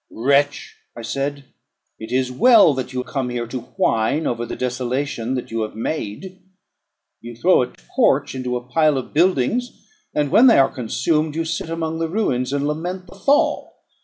"Wretch!" I said, "it is well that you come here to whine over the desolation that you have made. You throw a torch into a pile of buildings; and, when they are consumed, you sit among the ruins, and lament the fall.